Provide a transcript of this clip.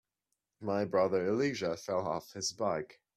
My brother Elijah fell off his bike.